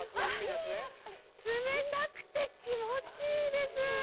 冷たくて気持ちいいです！